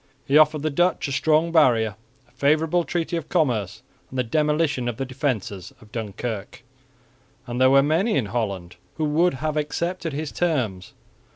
He offered the Dutch a strong barrier, a favourable treaty of commerce and the demolition of the defences of Dunkirk; and there were many in Holland who would have accepted his terms.